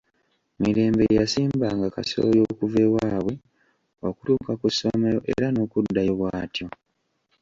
Mirembe yasimbanga kasooli okuva ewaabwe okutuuka ku ssomero era n'okuddayo bw'atyo.